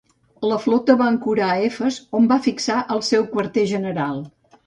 La flota va ancorar a Efes on va fixar el seu quarter general.